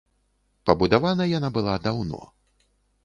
Пабудавана яна была даўно.